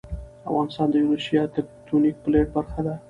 افغانستان د یوریشیا تکتونیک پلیټ برخه ده